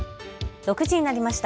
６時になりました。